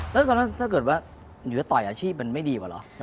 แล้วตอนนั้นถ้าเกิดว่าหนูจะต่อยอาชีพมันไม่ดีกว่าเหรอ